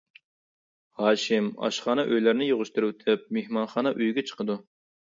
ھاشىم ئاشخانا ئۆيلەرنى يىغىشتۇرۇۋېتىپ، مېھمانخانا ئۆيگە چىقىدۇ.